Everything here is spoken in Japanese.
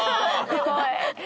すごい。